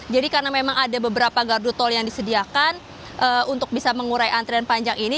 jadi karena memang ada beberapa gardu tol yang disediakan untuk bisa mengurai antrian panjang ini